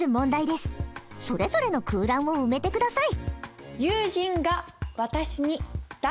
それぞれの空欄を埋めて下さい。